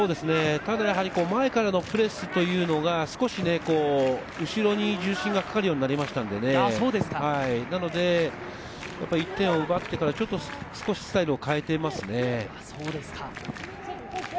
ただやはり前からのプレスというのも少し後ろに重心がかかるようになりましたので１点を奪ってから少しスタイルを変えていますね。